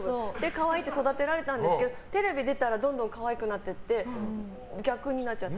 可愛いって育てられたんですけどテレビ出ていったらどんどん可愛くなっていって逆になっちゃった。